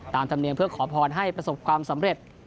ธรรมเนียมเพื่อขอพรให้ประสบความสำเร็จ